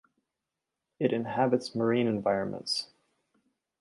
It inhabits marine environments.